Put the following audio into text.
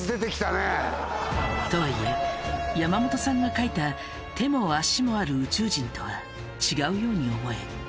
とはいえ山本さんが描いた手も足もある宇宙人とは違うように思える。